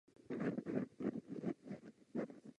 Dlouhodobě působil ve státní správě.